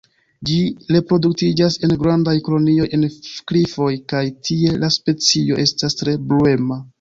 Ĝi reproduktiĝas en grandaj kolonioj en klifoj kaj tie la specio estas tre bruema.